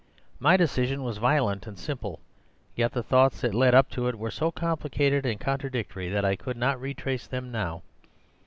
My decision was violent and simple; yet the thoughts that led up to it were so complicated and contradictory that I could not retrace them now.